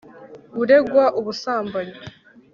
uregwa ubusambanyi